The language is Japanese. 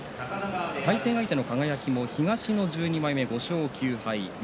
対戦相手の輝も東の１２枚目５勝９敗。